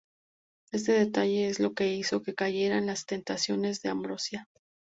Este detalle es lo que hizo que cayera en las tentaciones de Ambrosia.